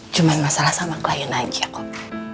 cuma masalah sama klien lagi ya kok